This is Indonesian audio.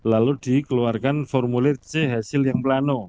lalu dikeluarkan formulir c hasil yang plano